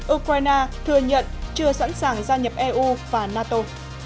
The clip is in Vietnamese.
ukraine thừa nhận chưa sẵn sàng gia nhập eu và nato